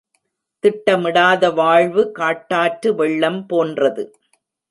திட்டமிடாத வாழ்வு, காட்டாற்று வெள்ளம் போன்றது.